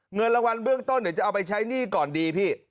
เงินรางวัลเบื้องต้นเดี๋ยวจะเอาไปใช้หนี้ก่อนดีพี่